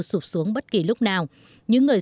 sụp xuống bất kỳ lúc nào những người